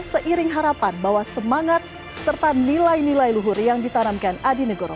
seiring harapan bahwa semangat serta nilai nilai luhur yang ditanamkan adi negoro